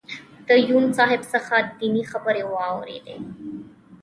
د یون صاحب څخه دینی خبرې واورېدې.